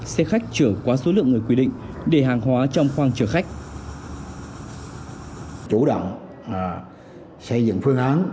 xe khách trở quá số lượng người quy định để hàng hóa trong khoang chở khách